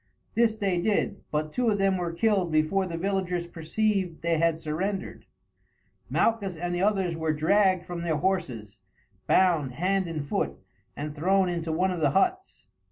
This they did, but two of them were killed before the villagers perceived they had surrendered. Malchus and the others were dragged from their horses, bound hand and foot, and thrown into one of the huts.